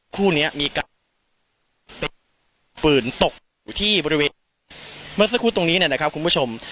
คู่นี้มีการเป็นปืนตกอยู่ที่บริเวณเมื่อสักครู่ตรงนี้เนี่ยนะครับคุณผู้ชม